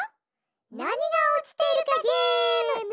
なにがおちているかゲーム！